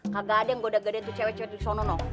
kagak ada yang goda gode untuk cewek cewek disana noh